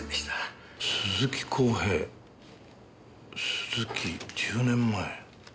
鈴木１０年前。